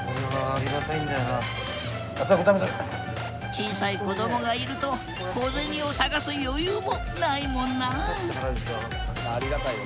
小さい子どもがいると小銭を探す余裕もないもんなあありがたいよ